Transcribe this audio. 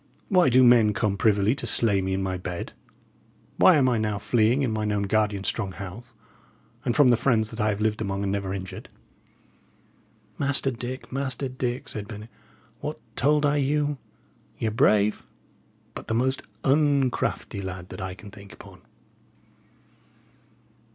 Why do men come privily to slay me in my bed? Why am I now fleeing in mine own guardian's strong house, and from the friends that I have lived among and never injured?" "Master Dick, Master Dick," said Bennet, "what told I you? Y' are brave, but the most uncrafty lad that I can think upon!"